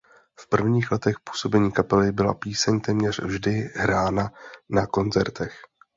V prvních letech působení kapely byla píseň téměř vždy hrána na koncertech.